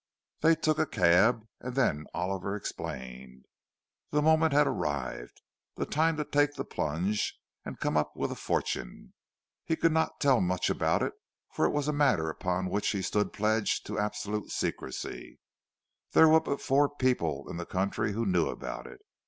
They took a cab; and then Oliver explained. The moment had arrived—the time to take the plunge, and come up with a fortune. He could not tell much about it, for it was a matter upon which he stood pledged to absolute secrecy. There were but four people in the country who knew about it.